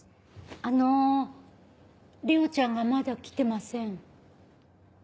あの玲緒ちゃんがまだ来てません。